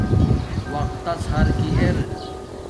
وقت تس حرکی ار